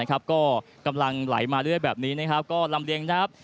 ก็กำลังไหลมาเรื่อยแบบนี้ก็ลำเลียงน้ำ